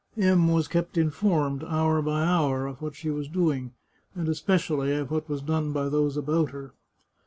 M was kept informed, hour by hour, of what she was doing, and especially of what was done by those about her.